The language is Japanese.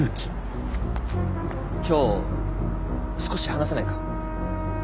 今日少し話せないか？